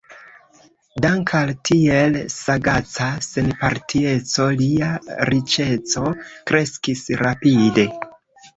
Dank' al tiel sagaca senpartieco, lia riĉeco kreskis rapide.